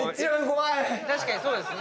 確かにそうですね。